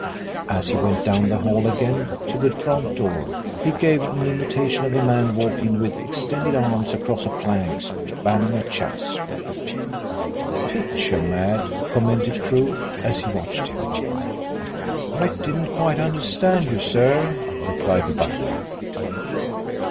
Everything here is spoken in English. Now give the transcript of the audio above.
As he went down the hall again to the front door he gave an imitation of a man walking with extended arms across a plank spanning a chasm. "Picture mad," commented Crewe, as he watched him. "I didn't quite understand you, sir," replied the butler.